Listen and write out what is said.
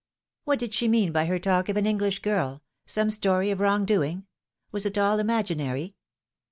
" What did she mean by her talk of an English girl some story of wrong doing ? Was it all imaginary